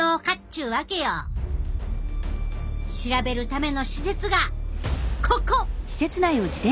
調べるための施設がここ！